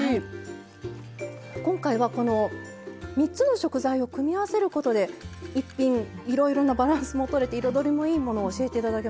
今回はこの３つの食材を組み合わせることで１品いろいろなバランスもとれて彩りもいいものを教えて頂きました。